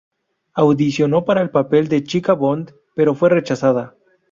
Audicionó para el papel de Chica Bond pero fue rechazada.